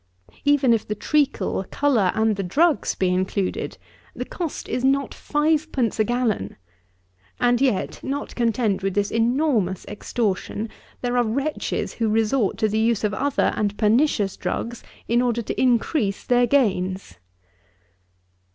Even if the treacle, colour, and the drugs, be included, the cost is not fivepence a gallon; and yet, not content with this enormous extortion, there are wretches who resort to the use of other and pernicious drugs, in order to increase their gains!